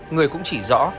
người cũng chỉ rõ